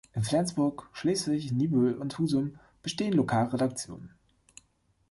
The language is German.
In Flensburg, Schleswig, Niebüll und Husum bestehen Lokalredaktionen.